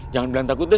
jangan bilang takut deh